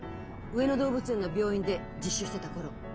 上野動物園の病院で実習してた頃。